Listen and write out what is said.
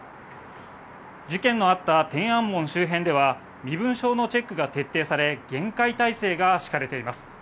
事件のあった天安門周辺では身分証のチェックが徹底され、厳戒態勢が敷かれています。